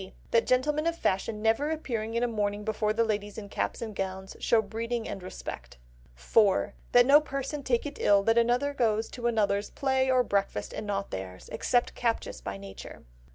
That gentlemen of fashion never appearing in a morning before the ladies in gowns and caps show breeding and respect. 4. That no person take it ill that anyone goes to another's play or breakfast and not theirs; except captious by nature.